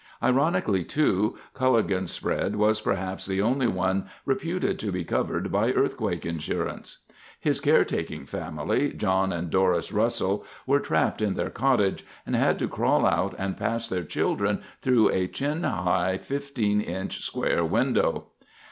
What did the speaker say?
Ironically, too, Culligan's spread was perhaps the only one reputed to be covered by earthquake insurance. His caretaking family, John and Doris Russell, were trapped in their cottage and had to crawl out and pass their children through a chin high 15 inch square window.